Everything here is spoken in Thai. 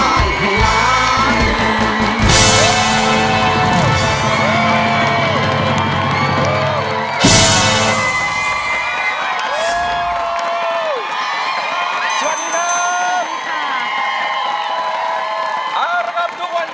เอาละครับทุกวัน